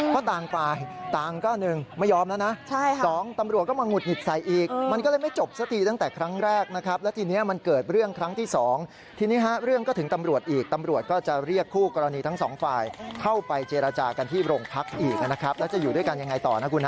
เพราะต่างปลายต่างก็หนึ่งไม่ยอมแล้วนะ